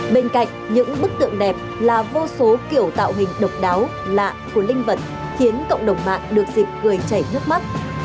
bên cạnh những bức tượng đẹp là vô số kiểu tạo hình độc đáo lạ của linh vật khiến cộng đồng mạng được dịp cười chảy nước mắt